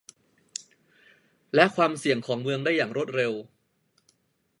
และความเสี่ยงของเมืองได้อย่างรวดเร็ว